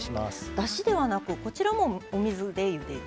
だしではなくこちらもお水でゆでる？